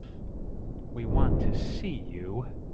We want to see you.